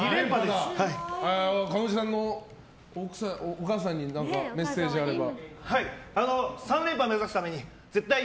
彼女さんのお母さんにメッセージがあれば。